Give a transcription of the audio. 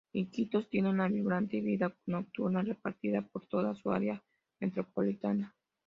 Iquitos tiene una vibrante vida nocturna repartida por toda su área metropolitana.